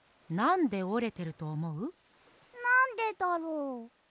なんでだろう？